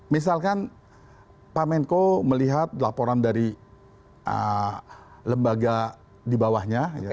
misalkan pak menko melihat laporan dari lembaga di bawahnya